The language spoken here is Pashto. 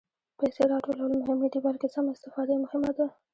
پېسې راټولول مهم نه دي، بلکې سمه استفاده یې مهمه ده.